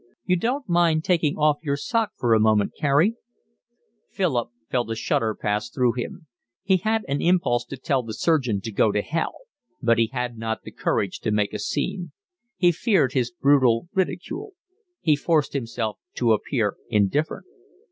"You don't mind taking off your sock for a moment, Carey?" Philip felt a shudder pass through him. He had an impulse to tell the surgeon to go to hell, but he had not the courage to make a scene. He feared his brutal ridicule. He forced himself to appear indifferent.